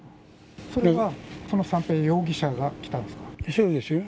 それは、その三瓶容疑者が来たんですかそうですよ。